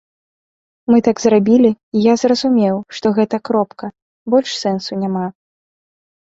Мы так зрабілі, і я зразумеў, што гэта кропка, больш сэнсу няма.